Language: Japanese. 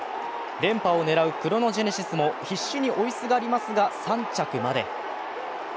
連覇を狙うクロノジェネシスも必死に追いすがりますが３着まで。